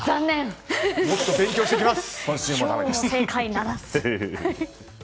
もっと勉強しておきます。